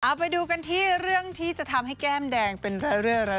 เอาไปดูกันที่เรื่องที่จะทำให้แก้มแดงเป็นเรื่อย